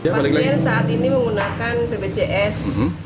pasien saat ini menggunakan bpjs